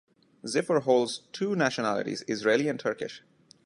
Ziffer holds two nationalities: Israeli and Turkish.